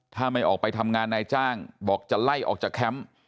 ถ้าไม่ออกไปทำงานนายจ้างบอกจะไล่ออกจากแคมป์